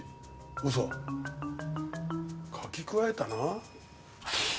嘘書き加えたな。